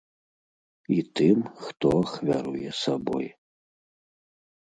І тым, хто ахвяруе сабой.